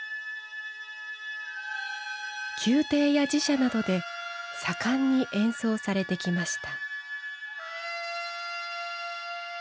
宮廷や寺社などで盛んに演奏されてきました。